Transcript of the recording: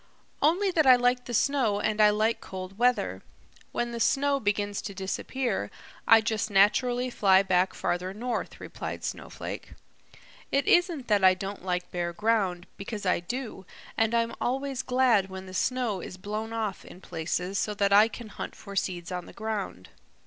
"Only that I like the snow and I like cold weather. When the snow begins to disappear, I just naturally fly back farther north," replied Snowflake. "It isn't that I don't like bare ground, because I do, and I'm always glad when the snow is blown off in places so that I can hunt for seeds on the ground.